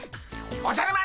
おじゃる丸！